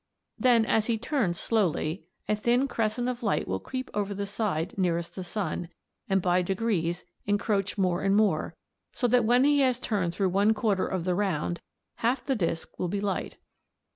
Then as he turns slowly, a thin crescent of light will creep over the side nearest the sun, and by degrees encroach more and more, so that when he has turned through one quarter of the round half the disc will be light.